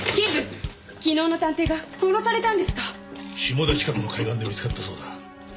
下田近くの海岸で見つかったそうだ。